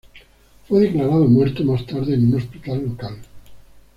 Fue declarado muerto más tarde en un hospital local.